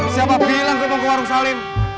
siapa bilang gue mau ke warung salim